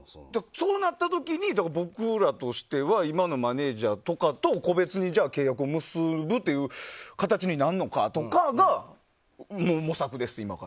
そうなった時、僕らとしては今のマネジャーとかと個別に契約を結ぶという形になるのかとか模索です、今は。